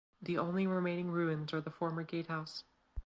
The only remaining ruins are the former gatehouse.